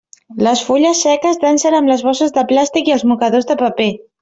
Les fulles seques dansen amb les bosses de plàstic i els mocadors de paper.